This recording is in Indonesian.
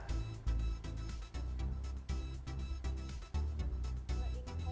apa yang harus diambil dari kondisi yang terjadi